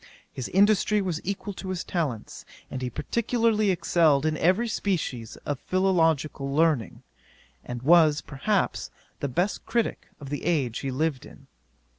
His industry was equal to his talents; and he particularly excelled in every species of philological learning, and was, perhaps, the best critick of the age he lived in.